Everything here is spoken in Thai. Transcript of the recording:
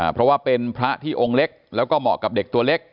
เพราะว่าเป็นพระที่องค์เล็กแล้วก็เหมาะกับเด็กตัวเล็ก